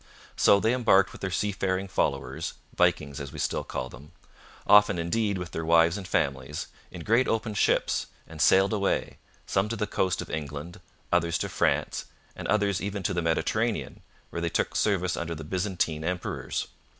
So they embarked with their seafaring followers Vikings, as we still call them often, indeed, with their wives and families, in great open ships, and sailed away, some to the coast of England, others to France, and others even to the Mediterranean, where they took service under the Byzantine emperors.